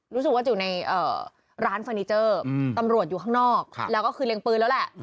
รู้สึกว่าอยู่ในร้านเฟอร์นิเจอร์ตำรวจอยู่ข้างนอกแล้วก็คือเล็งปืนแล้วแหละ